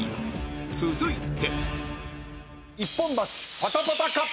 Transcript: ［続いて］